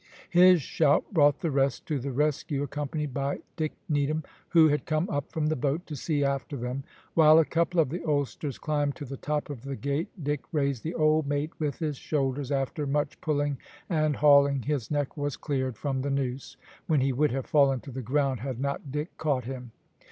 His shout brought the rest to the rescue, accompanied by Dick Needham, who had come up from the boat to see after them. While a couple of the oldsters climbed to the top of the gate Dick raised the old mate with his shoulders, and after much pulling and hauling his neck was cleared from the noose, when he would have fallen to the ground had not Dick caught him.